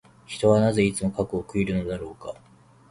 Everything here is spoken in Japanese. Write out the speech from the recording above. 人はなぜ、いつも過去を悔いるのだろうか。